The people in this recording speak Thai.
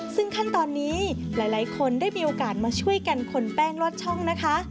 ซึ่งขั้นตอนนี้หลายคนได้มีโอกาสมาช่วยกันคนแป้งลอดช่องนะคะ